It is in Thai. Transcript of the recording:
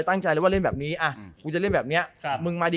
ตั้งใจเลยว่าเล่นแบบนี้อ่ะกูจะเล่นแบบเนี้ยครับมึงมาดี